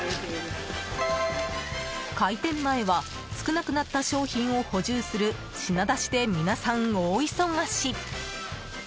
開店前は少なくなった商品を補充する品出しで皆さん大忙し。